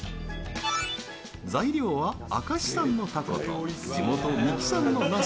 材料は、明石産のタコと地元・三木産のナス。